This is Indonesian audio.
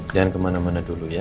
jangan kemana mana dulu ya